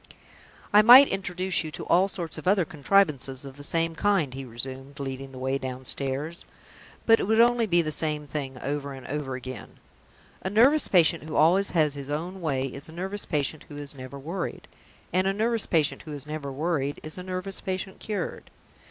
"I might introduce you to all sorts of other contrivances of the same kind," he resumed, leading the way downstairs; "but it would be only the same thing over and over again. A nervous patient who always has his own way is a nervous patient who is never worried; and a nervous patient who is never worried is a nervous patient cured.